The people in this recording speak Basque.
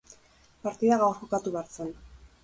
Partida gaur jokatu behar zen.